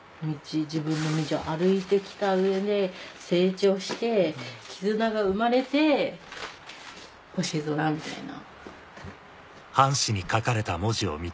自分の「道」を歩いてきた上で「成長」して「きずな」が生まれて「星空」みたいな。